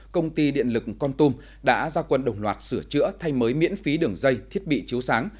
công ty điện lực con tum đã ra quân đồng loạt sửa chữa thay mới miễn phí đường dây thiết bị chiếu sáng